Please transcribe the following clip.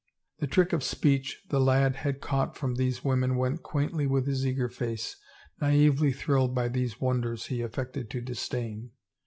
The trick of speech the lad had caught from these women went quaintly with his eager face, naively thrilled by these wonders he aif ected to disdain.